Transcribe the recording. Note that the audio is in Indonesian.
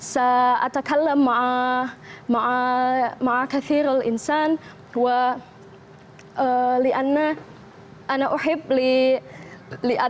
saya belajar bahasa karena saya berbicara dengan banyak orang